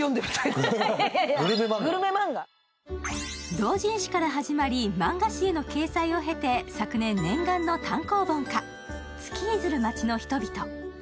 同人誌から始まり漫画誌への掲載を経て、昨年、念願の単行本化「月出づる街の人々」。